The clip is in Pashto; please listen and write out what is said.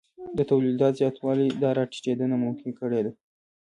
د تولیدیت زیاتوالی دا راټیټېدنه ممکنه کړې ده